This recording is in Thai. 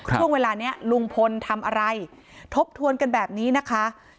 ช่วงเวลานี้ลุงพลทำอะไรทบทวนกันแบบนี้นะคะ